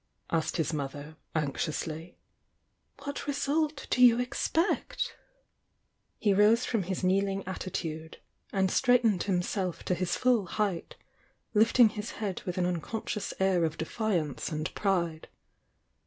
asked his mother, anxiously. "What 'esult do you expect?" He rose from his kneeling attitude, and straight ened himself to his full height, lifting his head with an unconscious air of defiance and pride.